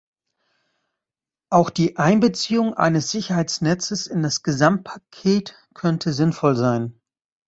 Auch die Einbeziehung eines Sicherheitsnetzes in das Gesamtpaket könnte sinnvoll sein.